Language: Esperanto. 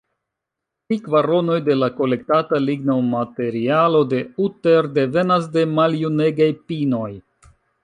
Tri kvaronoj de la kolektata lignomaterialo de Utter devenas de maljunegaj pinoj.